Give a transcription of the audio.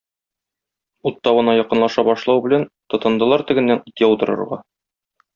Ут тавына якынлаша башлау белән, тотындылар тегеннән ут яудырырга...